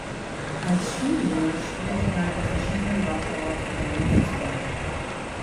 Als Schuljunge spielte er in verschiedenen Warschauer Vereinen Fußball.